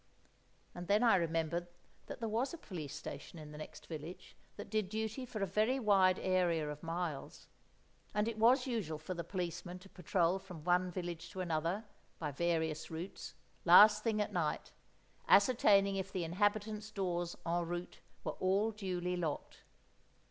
And then I remembered that there was a police station in the next village, that did duty for a very wide area of miles. And it was usual for the policeman to patrol from one village to another, by various routes, last thing at night, ascertaining if the inhabitants' doors en route were all duly locked.